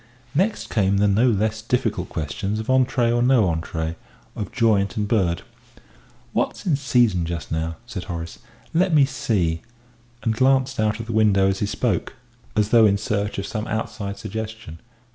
Next came the no less difficult questions of entrée or no entrée, of joint and bird. "What's in season just now?" said Horace; "let me see" and glanced out of the window as he spoke, as though in search of some outside suggestion....